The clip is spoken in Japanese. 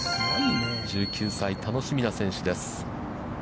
１９歳、楽しみな選手です。